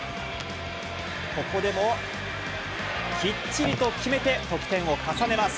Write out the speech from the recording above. ここでもきっちりと決めて、得点を重ねます。